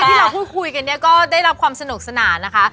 ที่เราพูดคุยกันเนี่ยก็ได้รับความสนุกสนานนะคะ